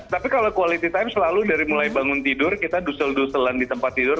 tapi kalau quality time selalu dari mulai bangun tidur kita dusel duselan di tempat tidur